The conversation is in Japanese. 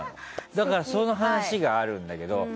だから、その話があるんだけど。